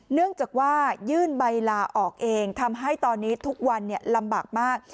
เนื่องจากว่ายื่นใบลาออกเองทำให้ตอนนี้ทุกวันลำบากมาก